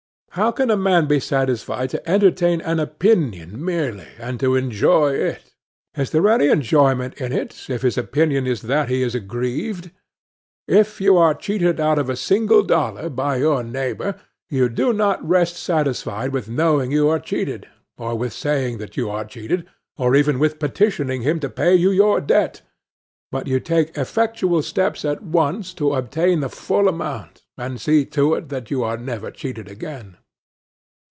How can a man be satisfied to entertain an opinion merely, and enjoy it? Is there any enjoyment in it, if his opinion is that he is aggrieved? If you are cheated out of a single dollar by your neighbor, you do not rest satisfied with knowing you are cheated, or with saying that you are cheated, or even with petitioning him to pay you your due; but you take effectual steps at once to obtain the full amount, and see that you are never cheated again.